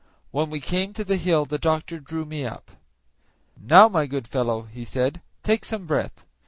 When we came to the hill the doctor drew me up. "Now, my good fellow," he said, "take some breath."